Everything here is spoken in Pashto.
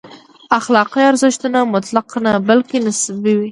اخلاقي ارزښتونه مطلق نه، بلکې نسبي دي.